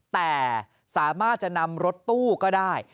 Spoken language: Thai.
แต่สามารถจะนำรถตู้ก็ได้